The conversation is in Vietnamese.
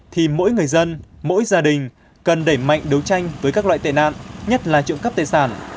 thì mỗi người dân mỗi gia đình cần đẩy mạnh đấu tranh với các loại tệ nạn nhất là trộm cắp tài sản